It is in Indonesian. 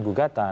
itu juga kan